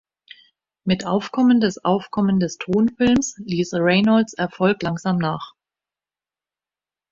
Mit Aufkommen des Aufkommen des Tonfilms ließ Reynolds Erfolg langsam nach.